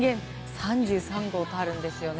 ３３号とあるんですよね。